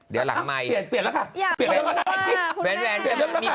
เดี๋ยวหลังไมส์เปลี่ยนละค่ะ